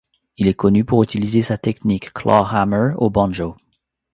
Il est connu pour utiliser sa technique clawhammer au banjo.